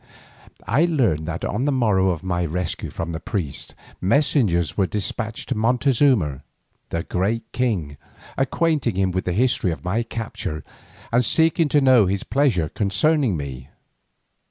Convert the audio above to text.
I learned that on the morrow of my rescue from the priests, messengers were despatched to Montezuma, the great king, acquainting him with the history of my capture, and seeking to know his pleasure concerning me.